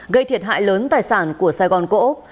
gây thiệt hại lớn tài sản của sài gòn cổ úc